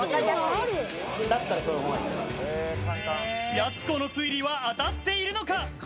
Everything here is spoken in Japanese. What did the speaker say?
やす子の推理は当たっているのか？